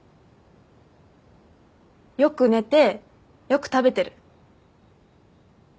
よく寝てよく食べてる。